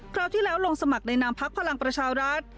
คราวที่แล้วลงสมัครในนามพักพลังประชารัฐ